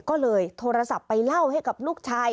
ก็เลยโทรศัพท์ไปเล่าให้กับลูกชาย